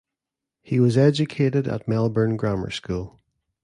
He was educated at Melbourne Grammar School.